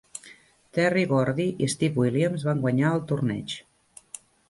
Terry Gordy i Steve Williams van guanyar el torneig.